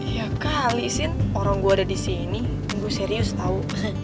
ya kali sin orang gue ada disini gue serius tau